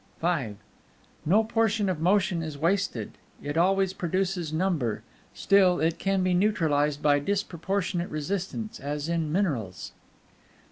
V No portion of Motion is wasted; it always produces number; still, it can be neutralized by disproportionate resistance, as in minerals.